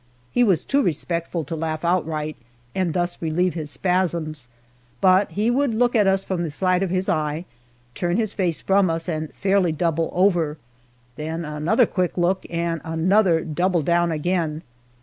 He was too respectful to laugh outright and thus relieve his spasms, but he would look at us from the side of his eye, turn his face from us and fairly double over then another quick look, and another double down again.